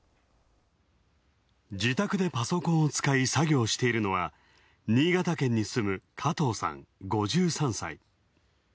自宅でパソコンを使い作業しているのは、新潟県に住む加藤さん５３歳。